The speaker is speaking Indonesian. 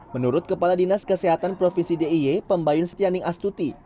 menurut kepala dinas kesehatan provinsi d i y pembayun setianing astuti